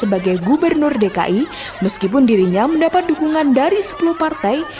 sebagai gubernur dki meskipun dirinya mendapat dukungan dari sepuluh partai